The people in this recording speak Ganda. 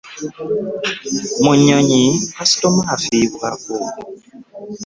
Mu nnyonyi kasitoma afiibwako.